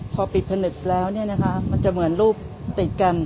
พอปิดผนึกแล้วมันจะเหมือนรูปติดกัน